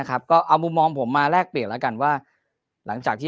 ก็เอามุมมองผมมาแลกเปลี่ยนแล้วกันว่าหลังจากที่